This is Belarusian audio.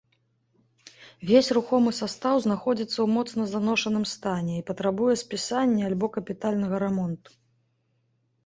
Весь рухомы састаў знаходзіцца ў моцна зношаным стане і патрабуе спісанні альбо капітальнага рамонту.